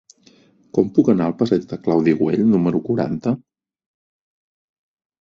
Com puc anar al passeig de Claudi Güell número quaranta?